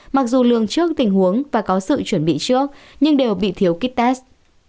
mặc dù lường trước tình huống và có sự chuẩn bị trước nhưng đều bị thiếu kit test